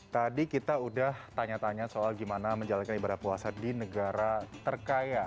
tadi kita udah tanya tanya soal gimana menjalankan ibadah puasa di negara terkaya